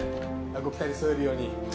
ご期待に沿えるように。